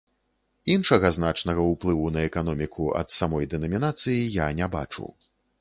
Іншага значнага ўплыву на эканоміку ад самой дэнамінацыі я не бачу.